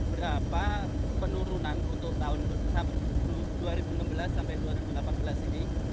berapa penurunan untuk tahun dua ribu enam belas sampai dua ribu delapan belas ini